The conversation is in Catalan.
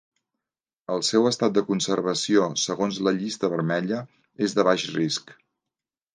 El seu estat de conservació segons la Llista Vermella és de baix risc.